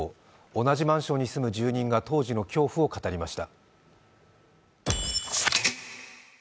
同じマンションに住む住人が当時の恐怖を語りました。